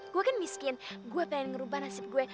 gue kan miskin gue pengen ngerubah nasib gue